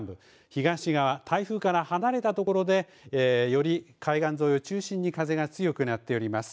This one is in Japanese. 東側、台風から離れたところでより海岸沿いを中心に風が強くなっております。